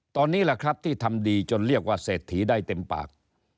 ตอนนี้แหละครับที่ทำดีจนเรียกว่าเศรษฐีได้เต็มปาก